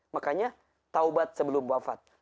makanya taubat sebelum wafat